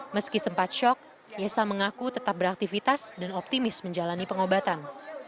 meski sempat shock yesa mengaku tetap beraktivitas dan optimis menjalani pengobatan